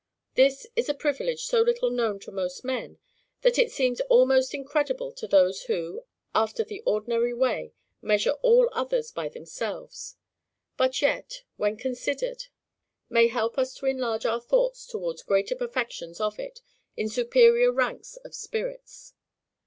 This is a privilege so little known to most men, that it seems almost incredible to those who, after the ordinary way, measure all others by themselves; but yet, when considered, may help us to enlarge our thoughts towards greater perfections of it, in superior ranks of spirits.